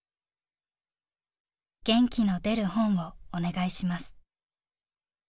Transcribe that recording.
「元気の出る本をお願いします」。